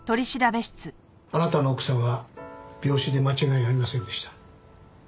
あなたの奥さんは病死で間違いありませんでした。